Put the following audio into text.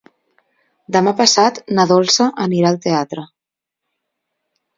Demà passat na Dolça anirà al teatre.